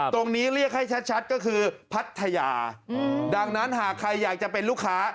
ตรงนี้เรียกให้ชัดก็คือพัทยาดังนั้นหากใครอยากจะเป็นลูกค้า